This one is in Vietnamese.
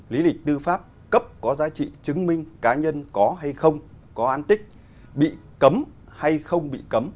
lý lịch tư pháp cấp có giá trị chứng minh cá nhân có hay không có an tích bị cấm hay không bị cấm